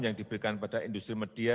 yang diberikan pada industri media